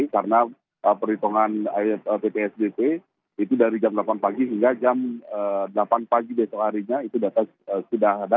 karena perhitungan ppsdp itu dari jam delapan pagi hingga jam delapan pagi besok harinya itu data sudah ada